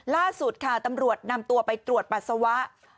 ล่าสุดค่ะตำรวจนำตัวไปตรวจปัสสาวะ